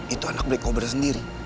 itu anak black cobra sendiri